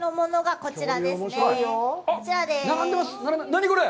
何これ。